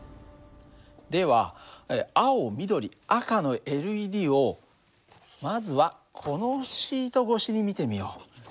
では青緑赤のＬＥＤをまずはこのシート越しに見てみよう。